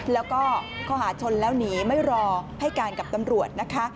แล้วก็ข้อหาชนแล้วหนีไม่รอให้การกับตำรวจนะคะ